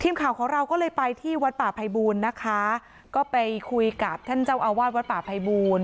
ทีมข่าวของเราก็เลยไปที่วัดป่าภัยบูลนะคะก็ไปคุยกับท่านเจ้าอาวาสวัดป่าภัยบูรณ์